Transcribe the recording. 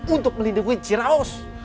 untuk melindungi ciraos